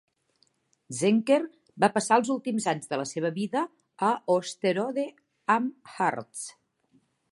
Zenker va passar els últims anys de la seva vida a Osterode am Harz.